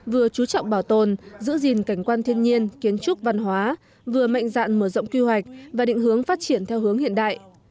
vừa chú trọng bảo tồn giữ gìn cảnh quan thiên nhiên kiến trúc văn hóa vừa mạnh dạn mở rộng quy hoạch và định hướng phát triển theo hướng hiện đại